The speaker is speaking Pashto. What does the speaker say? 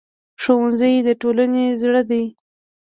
ښوونځی د ټولنې زړه دی